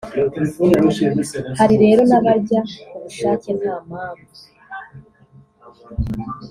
Hari rero n’abarya ku bushake nta mpamvu